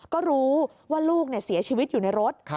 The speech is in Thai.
ก็รู้ว่าลูกเสียชีวิตอยู่ในรถ